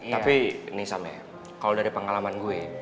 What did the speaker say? tapi nih sampe kalau dari pengalaman gue